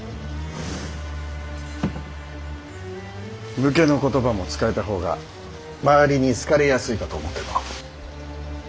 武家の言葉も使えた方が周りに好かれやすいかと思うての。